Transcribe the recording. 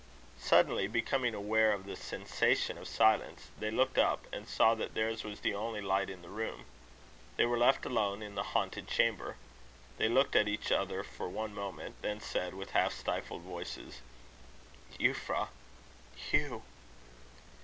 Suddenly becoming aware of the sensation of silence, they looked up, and saw that theirs was the only light in the room. They were left alone in the haunted chamber. They looked at each other for one moment; then said, with half stifled voices: "Euphra!" "Hugh!"